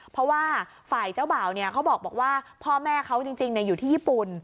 เพราะว่าฝ่ายเจ้าบ่าวเขาบอกว่าพ่อแม่เขาจริงอยู่ที่ญี่ปุ่น